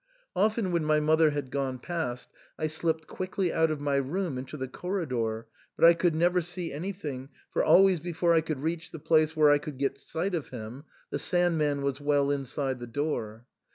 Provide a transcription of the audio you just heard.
Often when my mother had gone past, I slipped quickly out of my room into the corridor, but I could never see an3rthing, for always before I could reach the place where I could get sight of him, the Sand man was well inside the door.